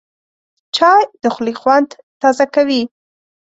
چای د خولې خوند تازه کوي